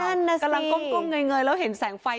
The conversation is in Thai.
นั่นน่ะกำลังก้มเงยแล้วเห็นแสงไฟ